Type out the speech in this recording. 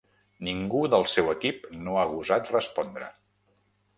Ningú del seu equip no ha gosat respondre.